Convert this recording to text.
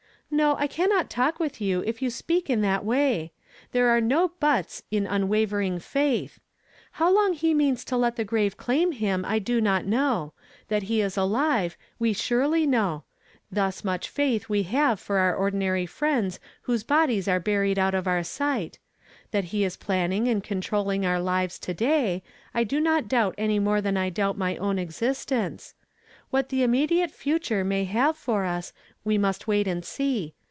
" No, I cannot talk with you if you speak in that way. There are no 'buts' in unwavering faith. How long he means to let the grave claim him I do not know. That he is alive, we surely I I "SMITE THE SHEPHERD." • 310 know; thus much faith we have for our ordinary friends whose bodies are buried out of our sight; that lie is planning and controlling our lives to day' I do not doubt any more than I doubt my own existence. What the immediate future may iiave for us, we must wait and see.